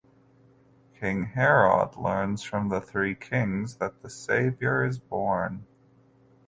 King Herod learns from the Three Kings that the Saviour is born.